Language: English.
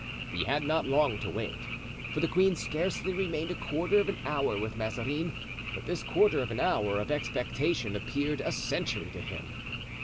He had not long to wait, for the queen scarcely remained a quarter of an hour with Mazarin, but this quarter of an hour of expectation appeared a century to him.